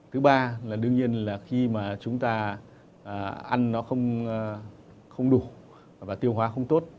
thứ ba là đương nhiên là khi mà chúng ta ăn nó không đủ và tiêu hóa không tốt